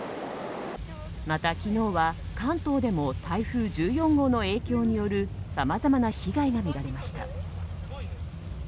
また、昨日は関東でも台風１４号の影響によるさまざまな被害が見られました。